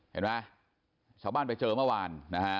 เห็นมั้ยชาวบ้านไปเจอเมื่อวาน